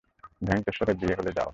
ভেঙ্কটেশ্বর বিবাহ হলে যাও।